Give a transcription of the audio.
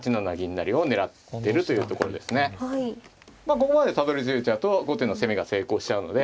ここまでたどりついちゃうと後手の攻めが成功しちゃうので。